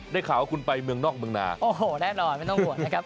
ได้ข่าวว่าคุณไปเมืองนอกเมืองนาโอ้โหแน่นอนไม่ต้องห่วงนะครับ